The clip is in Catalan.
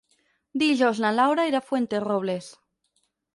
Dijous na Laura irà a Fuenterrobles.